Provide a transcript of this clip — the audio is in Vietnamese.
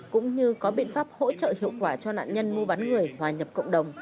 cũng như có biện pháp hỗ trợ hiệu quả cho nạn nhân mua bán người hòa nhập cộng đồng